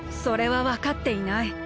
それはわかっていない。